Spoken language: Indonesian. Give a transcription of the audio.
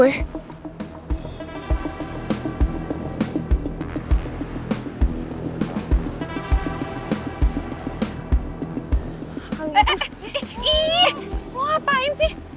eh eh ih ih ih mau ngapain sih